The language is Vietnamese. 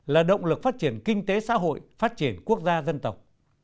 là động lực phát triển kinh tế xã hội phát triển quốc gia dân tộc